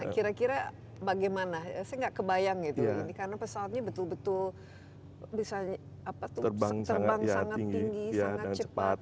kira kira bagaimana saya nggak kebayang itu ini karena pesawatnya betul betul bisa terbang sangat tinggi sangat cepat